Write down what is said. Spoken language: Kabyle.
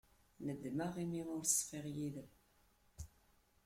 Nedmeɣ imi ur ṣfiɣ yid-m.